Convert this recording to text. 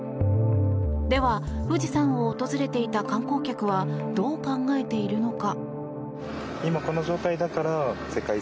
では富士山を訪れていた観光客はどう考えているのか。